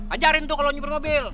ajarin tuh kalau nyebur mobil